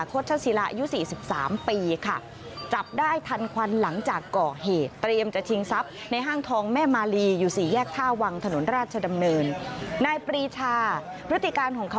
โฆษฎีชาติศิลปี๔๓ค่ะ